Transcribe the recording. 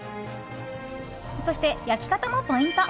そして、焼き方もポイント。